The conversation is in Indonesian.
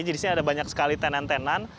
jadi di sini ada banyak sekali tenan tenan